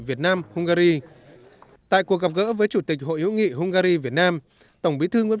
việt nam hungary tại cuộc gặp gỡ với chủ tịch hội hiếu nghị hungary việt nam tổng bí thư nguyễn